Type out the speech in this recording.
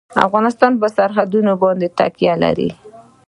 افغانستان په سرحدونه باندې تکیه لري.